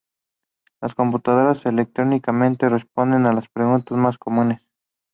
Las computadoras electrónicamente responden a las preguntas más comunes.